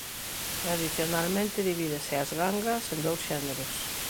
Tradicionalmente divídese ás gangas en dous xéneros.